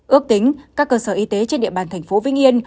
ước tính các cơ sở y tế trên địa bàn tp vĩnh yên